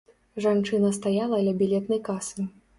Жанчына стаяла ля білетнай касы.